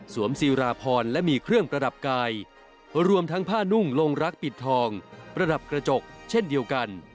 ซีราพรและมีเครื่องประดับกายรวมทั้งผ้านุ่งลงรักปิดทองประดับกระจกเช่นเดียวกัน